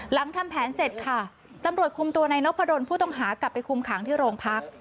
หลังทำแผนเสร็จค่ะตำรวจคุมตัวนายนพดลผู้ต้องหากลับไปคุมขังที่โรงพัก